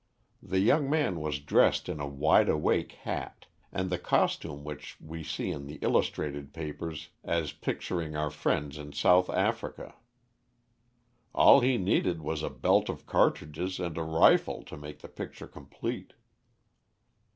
The young man was dressed in a wide awake hat, and the costume which we see in the illustrated papers as picturing our friends in South Africa. All he needed was a belt of cartridges and a rifle to make the picture complete.